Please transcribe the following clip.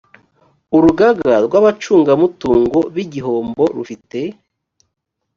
urugaga rw abacungamutungo b igihombo rufite